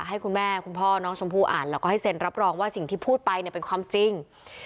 ให้คุณแม่คุณพ่อน้องชมพู่อ่านแล้วก็ให้เซ็นรับรองว่าสิ่งที่พูดไปเนี่ยเป็นความจริง